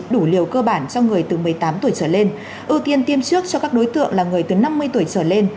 đủ liều cơ bản cho người từ một mươi tám tuổi trở lên ưu tiên tiêm trước cho các đối tượng là người từ năm mươi tuổi trở lên